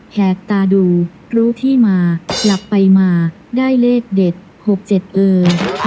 แหกตาดูรู้ที่มาหลับไปมาได้เลขเด็ด๖๗เออ